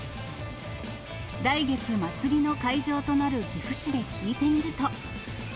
来月、祭りの会場となる岐阜市で聞いてみると。